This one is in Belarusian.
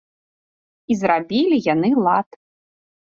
І зрабілі яны лад.